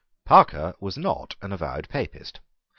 Parker was not an avowed Papist.